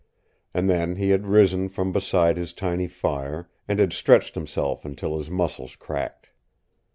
And then he had risen from beside his tiny fire, and had stretched himself until his muscles cracked.